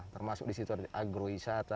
termasuk di situ agrowisata